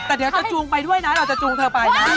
แต่เดี๋ยวจะจูงไปด้วยนะเราจะจูงเธอไปนะ